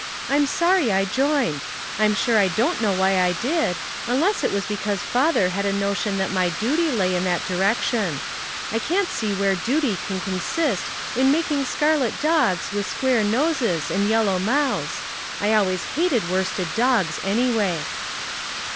" I'm sorry I joined. I'm sure I don't know why I did, unless it was because father 205 266 Household Puzzles, had a notion that my duty lay in that di rection. I can't see where duty can consist in making scarlet dogs with square noses and yellow mouths. I always hated worsted dogs, anyway."